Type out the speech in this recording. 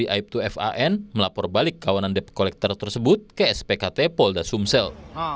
aib dua fan melapor balik kawanan dep kolektor tersebut ke spkt polda sumsel